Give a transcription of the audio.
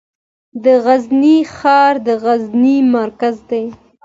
د غزني ښار د غزني مرکز دی